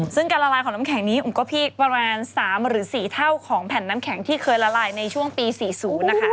ซึ่งการละลายของน้ำแข็งนี้ก็พีคประมาณ๓หรือ๔เท่าของแผ่นน้ำแข็งที่เคยละลายในช่วงปี๔๐นะคะ